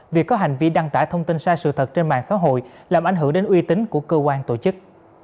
việc có hành vi đăng tả thông tin sai sự thật trên mạng xã hội làm ảnh hưởng đến uy tính của cơ quan tổ chức